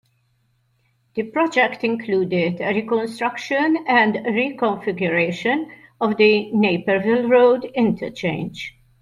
The project included a reconstruction and reconfiguration of the Naperville Road interchange.